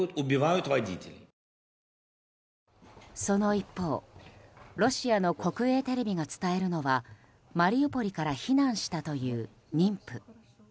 その一方ロシアの国営テレビが伝えるのはマリウポリから避難したという妊婦。